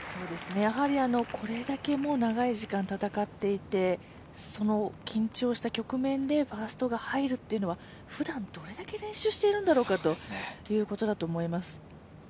これだけもう長い時間戦っていて、緊張した局面でファーストが入るというのはふだんどれだけ練習しているんだろうかということだと思います。